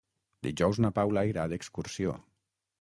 Dijous na Paula irà d'excursió.